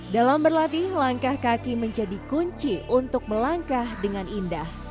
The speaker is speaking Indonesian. dalam berlatih langkah kaki menjadi kunci untuk melangkah dengan indah